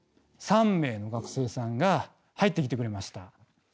３名の学生さんが入ってきてくれました。